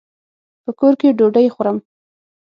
په کور کي ډوډۍ خورم.